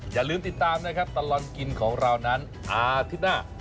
อย่าลืมติดตามนะครับตลอดกินของเรานั้นอาทิตย์หน้า